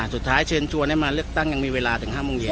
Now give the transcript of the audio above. เชิญชวนให้มาเลือกตั้งยังมีเวลาถึง๕โมงเย็น